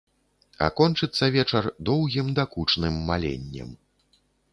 А кончыцца вечар доўгім дакучным маленнем.